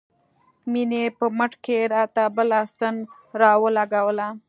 مينې په مټ کښې راته بله ستن راولګوله.